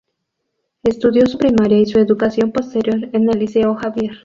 Estudió su primaria y su educación posterior en el Liceo Javier.